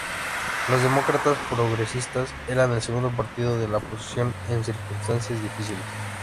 Los Demócratas Progresistas eran el segundo partido de la oposición en circunstancias difíciles.